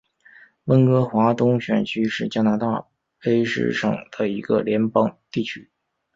温哥华东选区是加拿大卑诗省的一个联邦选区。